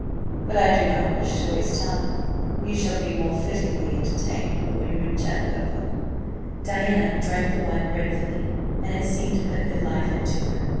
"But I do not wish to waste time. You shall be more fittingly entertained when we reach Andover." Diana drank the wine gratefully, and it seemed to put new life into her.